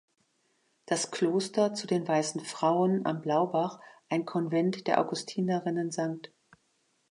Das Kloster "zu den weißen Frauen" am Blaubach, ein Konvent der Augustinerinnen „St.